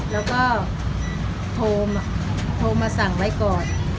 แล้วก็โทรมาสั่งไว้ก่อน